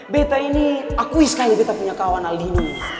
beta ini akuis sekali beta punya kawan hal ini